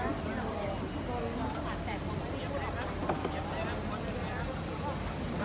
ลูกเสือจะรักมีความได้ใช่ไหมคะ